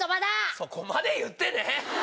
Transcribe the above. そこまで言ってねえ！